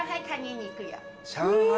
上海